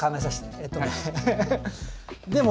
えっとね。